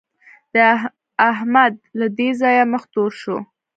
د احمد له دې ځايه مخ تور شو.